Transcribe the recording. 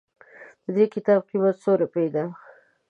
ددي کتاب قيمت څو روپئ ده